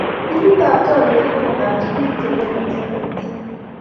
Timit ab chamiet kokitach biik chelel eng kaniset